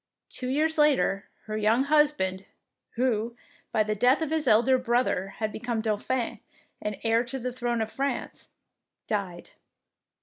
Two years later, her young husband, who, by the death of his elder brother, had become Dauphin and heir to the throne of France, died.